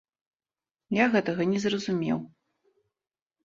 Я гэтага не зразумеў.